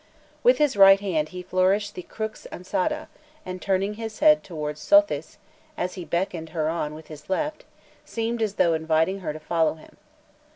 With his right hand he flourished the crux ansata, and turning his head towards Sothis as he beckoned her on with his left, seemed as though inviting her to follow him.